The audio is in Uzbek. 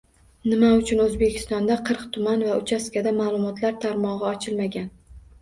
Nima uchun O'zbekistonda qirq tuman va uchastkada ma'lumotlar tarmog'i ochilmagan?